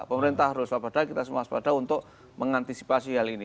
pemerintah harus waspada kita harus waspada untuk mengantisipasi hal ini